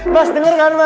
mas denger kan mas